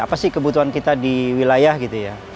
apa sih kebutuhan kita di wilayah gitu ya